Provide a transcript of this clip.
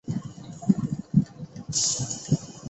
首三种血凝素则常见于人类流感病毒。